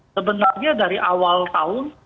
sebenarnya dari awal tahun